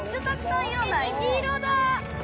虹色だ！